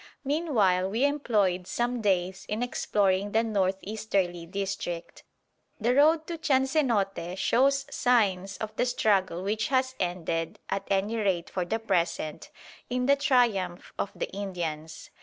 Meanwhile we employed some days in exploring the north easterly district. The road to Chansenote shows signs of the struggle which has ended, at any rate for the present, in the triumph of the Indians.